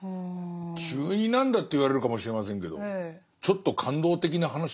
急に何だって言われるかもしれませんけどちょっと感動的な話ですね。